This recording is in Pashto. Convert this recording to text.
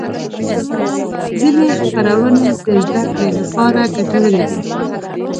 ځینې خپرونې د زدهکړې لپاره ګټورې دي.